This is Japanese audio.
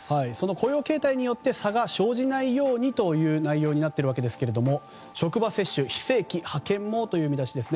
雇用形態によって差が生じないようにという内容になっているわけですけれども職場接種、非正規、派遣もという見出しです。